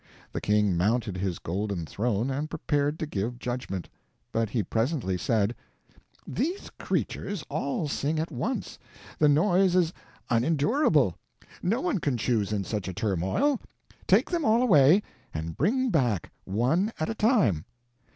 The king mounted his golden throne and prepared to give judgment. But he presently said: "These creatures all sing at once; the noise is unendurable; no one can choose in such a turmoil. Take them all away, and bring back one at a time."